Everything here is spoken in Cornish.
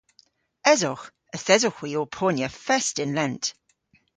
Esowgh. Yth esowgh hwi ow ponya fest yn lent.